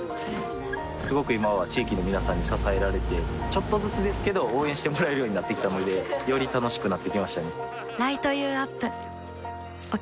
すごく今は地域の皆さんに支えられてちょっとずつですけど応援してもらえるようになってきたのでより楽しくなってきましたね